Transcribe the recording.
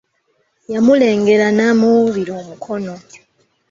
Yamulengera n'amuwuubira omukono.